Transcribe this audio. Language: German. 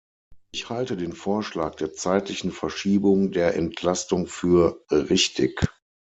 Ich halte den Vorschlag der zeitlichen Verschiebung der Entlastung für richtig.